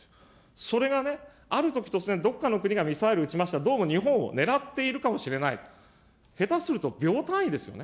それがね、あるとき、突然どっかの国がミサイル撃ちました、どうも日本を狙っているかもしれないと、下手すると秒単位ですよね。